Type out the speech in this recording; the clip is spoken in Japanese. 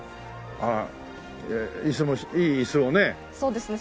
ああ椅子もいい椅子をね。